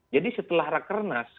jadi setelah rakernas